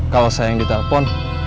kalau saya yang ditelepon